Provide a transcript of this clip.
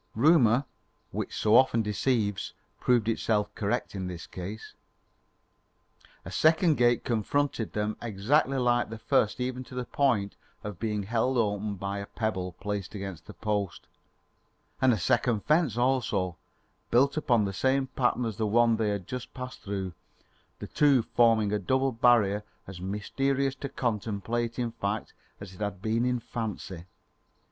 Rumour, which so often deceives, proved itself correct in this case. A second gate confronted them exactly like the first even to the point of being held open by a pebble placed against the post. And a second fence also! built upon the same pattern as the one they had just passed through; the two forming a double barrier as mysterious to contemplate in fact as it had ever been in fancy.